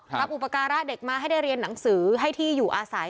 อุปการะเด็กมาให้ได้เรียนหนังสือให้ที่อยู่อาศัย